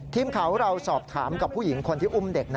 ทีมข่าวของเราสอบถามกับผู้หญิงคนที่อุ้มเด็ก